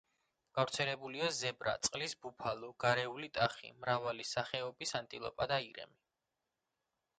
გავრცელებულია ზებრა, წყლის ბუფალო, გარეული ტახი, მრავალი სახოების ანტილოპა და ირემი.